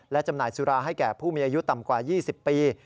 และจำหน่ายสุราให้แก่ผู้มีอายุต่ำกว่า๒๐ปี